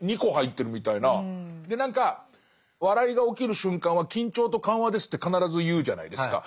で何か笑いが起きる瞬間は緊張と緩和ですって必ず言うじゃないですか。